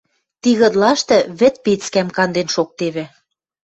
Тигытлашты вӹд пецкӓм канден шоктевӹ...